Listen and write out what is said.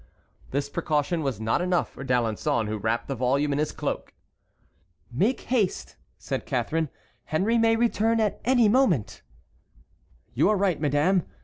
This precaution was not enough for D'Alençon, who wrapped the volume in his cloak. "Make haste," said Catharine; "Henry may return at any moment." "You are right, madame.